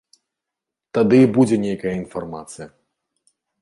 Тады і будзе нейкая інфармацыя.